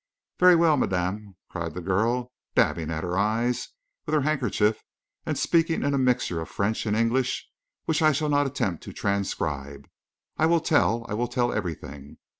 "Very well, madame!" cried the girl, dabbing at her eyes with her handkerchief, and speaking in a mixture of French and English which I shall not attempt to transcribe. "I will tell; I will tell everything.